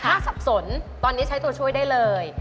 ถ้าสับสนตอนนี้ใช้ตัวช่วยได้เลย